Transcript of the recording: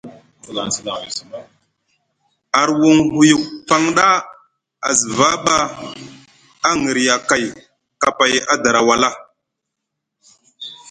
Arwuŋ huyuk paŋ ɗa a zva ɓa a ŋirɵa kay kapay a dara wala.